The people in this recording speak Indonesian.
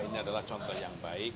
ini adalah contoh yang baik